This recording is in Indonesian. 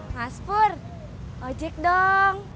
mas pur ojek dong